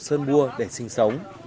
sơn vua để sinh sống